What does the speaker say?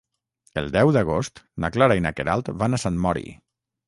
El deu d'agost na Clara i na Queralt van a Sant Mori.